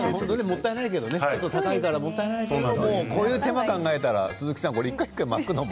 もったいないけど高いからもったいないけどこういう手間を考えたら１回１回巻くのも。